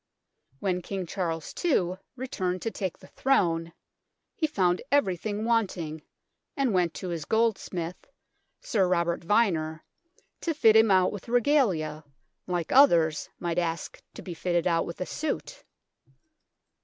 When King Charles II returned to take the Throne he found everything wanting, and went to his goldsmith, Sir Robert Vyner, to fit him out with Regalia, like others might ask to be fitted out with a suit.